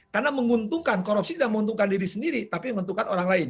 karena menguntungkan korupsi tidak menguntungkan diri sendiri tapi menguntungkan orang lain